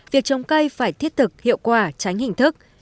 việc trồng cây phải thiết thực hiệu quả tránh hình thức